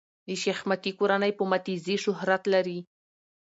د شېخ متی کورنۍ په "متي زي" شهرت لري.